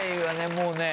もうね